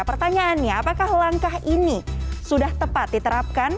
pertanyaannya apakah langkah ini sudah tepat diterapkan